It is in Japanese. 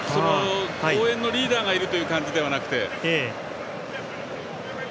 応援のリーダーがいるという感じではなくて。